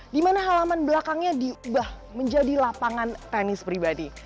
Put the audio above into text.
dimana halaman belakangnya diubah menjadi lapangan tenis pribadi